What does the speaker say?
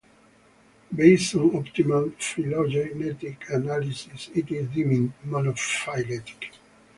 Based on optimal phylogenetic analysis, it is deemed monophyletic.